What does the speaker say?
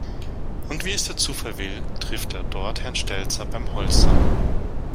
Und wie es der Zufall will, trifft er dort Herrn Stelzer beim Holzsammeln.